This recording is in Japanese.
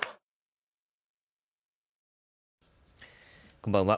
こんばんは。